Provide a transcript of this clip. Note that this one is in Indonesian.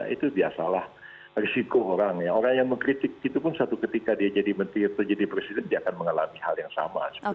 itu biasalah risiko orang ya orang yang mengkritik itu pun satu ketika dia jadi menteri atau jadi presiden dia akan mengalami hal yang sama